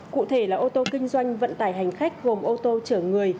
cụ thể là ô tô kinh doanh vận tải hành khách gồm ô tô chở người